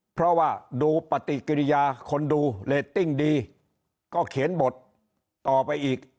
เพราะว่าดูปฏิกิริยาคนดูเรตติ้งดีก็เขียนบทต่อไปอีก